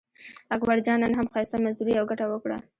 اکبرجان نن هم ښایسته مزدوري او ګټه وکړه.